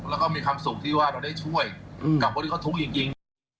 แล้วก็มีความสุขที่ว่าเราได้ช่วยกับคนที่เขาทุกข์จริง